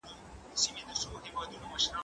ايا ته مېوې وچوې!.